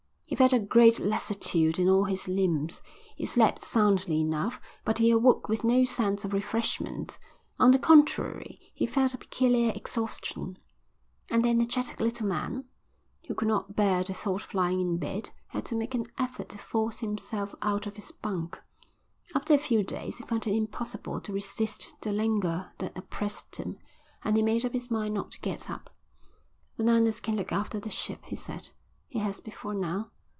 He felt a great lassitude in all his limbs. He slept soundly enough, but he awoke with no sense of refreshment; on the contrary he felt a peculiar exhaustion. And the energetic little man, who could not bear the thought of lying in bed, had to make an effort to force himself out of his bunk. After a few days he found it impossible to resist the languor that oppressed him, and he made up his mind not to get up. "Bananas can look after the ship," he said. "He has before now."